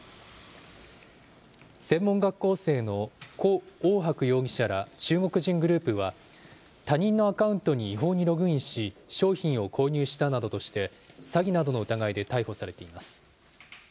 専門学校生の胡奥博容疑者ら中国人グループは、他人のアカウントに違法にログインし、商品を購入したなどとして、詐欺などの疑いで逮捕されています。